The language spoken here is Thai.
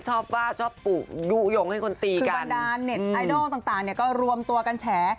ชอบว่าชอบปู๊ยุ่งให้คนตีกัน